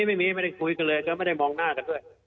ไม่มีไม่ได้คุยกันเลยก็ไม่ได้มองหน้ากันด้วย